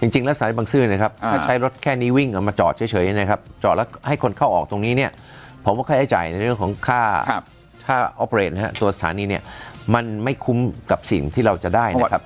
จริงแล้วสายบังซื้อนะครับถ้าใช้รถแค่นี้วิ่งออกมาจอดเฉยนะครับจอดแล้วให้คนเข้าออกตรงนี้เนี่ยผมว่าค่าใช้จ่ายในเรื่องของค่าออฟเรทนะฮะตัวสถานีเนี่ยมันไม่คุ้มกับสิ่งที่เราจะได้นะครับ